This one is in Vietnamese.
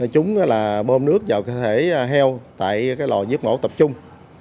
chúng bơm nước vào cơ thể heo tại lò dứt ngỗ tập trung